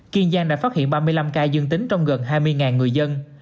kiên giang đã phát hiện ba mươi năm ca dương tính trong gần hai mươi người dân